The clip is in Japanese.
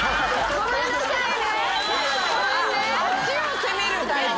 ごめんなさいね。